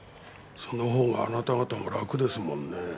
その方があなた方もラクですもんね。